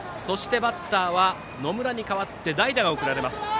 バッターは野村に代わって代打が送られます。